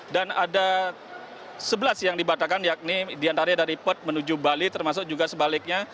dan ada sebelas yang dibatalkan yakni diantaranya dari port menuju bali termasuk juga sebaliknya